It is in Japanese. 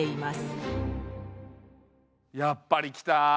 やっぱりきた！